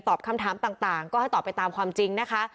คำถามต่างก็ให้ตอบไปตามความจริงนะคะ